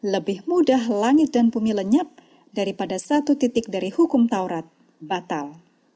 lebih mudah langit dan bumi lenyap daripada satu titik dari hukum taurat batal